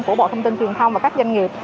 của bộ thông tin truyền thông và các doanh nghiệp